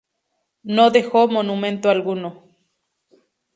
No dejó monumento alguno.